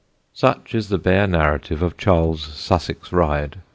Such is the bare narrative of Charles' Sussex ride.